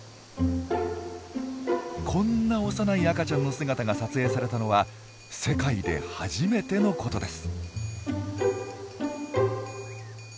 こんな幼い赤ちゃんの姿が撮影されたのは世界で初めてのことです。